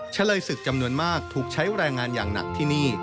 เฉลยศึกจำนวนมากถูกใช้แรงงานอย่างหนักที่นี่